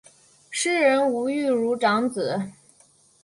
诗人吴玉如长子。